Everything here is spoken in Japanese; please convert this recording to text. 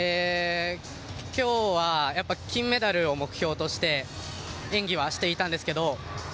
今日は、やっぱり金メダルを目標として演技はしていたんですけど。